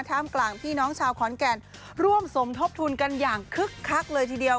กลางพี่น้องชาวขอนแก่นร่วมสมทบทุนกันอย่างคึกคักเลยทีเดียว